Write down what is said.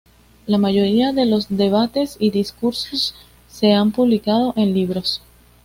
La mayoría de los debates y discursos se han publicado en libros.